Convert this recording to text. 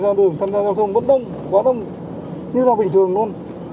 mà trong thời gian vẫn đông quá đông như là bình thường luôn